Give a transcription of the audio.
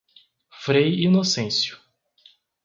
Frei Inocêncio